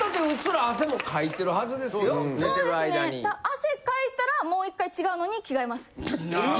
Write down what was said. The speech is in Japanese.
汗かいたらもう１回違うのに着替えます。